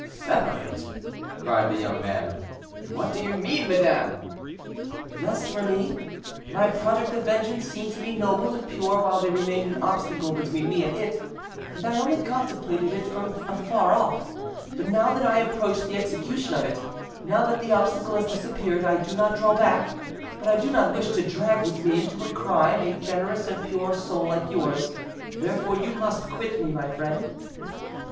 "Separate!" cried the young man. "What do you mean, madame?" "Yes, Remy. My project of vengeance seemed to me noble and pure while there remained an obstacle between me and it, and I only contemplated it from afar off; but now that I approach the execution of it—now that the obstacle has disappeared—I do not draw back, but I do not wish to drag with me into crime a generous and pure soul like yours; therefore you must quit me, my friend."